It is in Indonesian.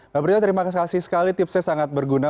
mbak prita terima kasih sekali tipsnya sangat berguna